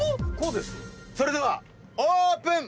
それではオープン！